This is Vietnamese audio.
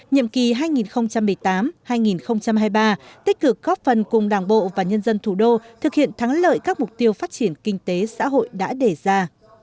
nhiệm kỳ hai nghìn một mươi tám hai nghìn hai mươi ba tích cực góp phần cùng đảng bộ và nhân dân thủ đô thực hiện thắng lợi các mục tiêu phát triển kinh tế xã hội đã đề ra